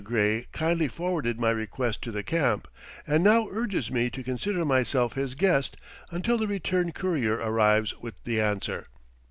Gray kindly forwarded my request to the camp, and now urges me to consider myself his guest until the return courier arrives with the answer.